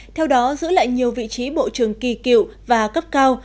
theo đó giữ lại nhiều vị trí bộ trưởng kỳ cựu và cấp cao